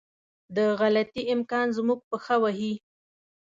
د غلطي امکان زموږ پښه وهي.